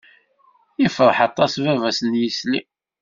Ifreḥ aṭas baba-s n yisli.